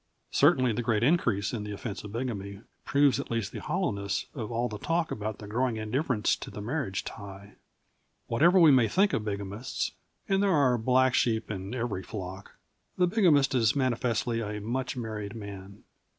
Certainly, the great increase in the offence of bigamy proves at least the hollowness of all the talk about the growing indifference to the marriage tie. Whatever we may think of bigamists and there are black sheep in every flock the bigamist is manifestly a much married man.